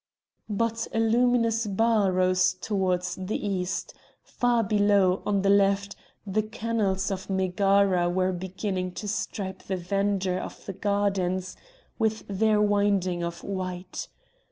But a luminous bar rose towards the East; far below, on the left, the canals of Megara were beginning to stripe the verdure of the gardens with their windings of white.